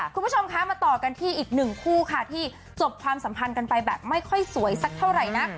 คุณผู้ชมคะมาต่อกันที่อีกหนึ่งคู่ค่ะที่จบความสัมพันธ์กันไปแบบไม่ค่อยสวยสักเท่าไหร่นัก